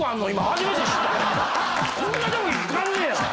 こんなとこ光んねや！